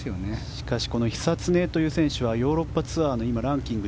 しかしこの久常という選手はヨーロッパツアーのランキング